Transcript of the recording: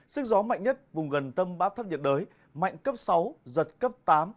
sức gió mạnh nhất vùng gần tâm áp thấp nhiệt đới mạnh cấp sáu giật cấp tám